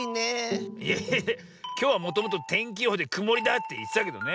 いやきょうはもともとてんきよほうでくもりだっていってたけどね。